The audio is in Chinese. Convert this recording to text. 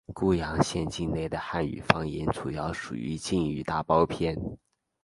固阳县境内的汉语方言主要属于晋语大包片。